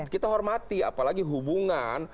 kita hormati apalagi hubungan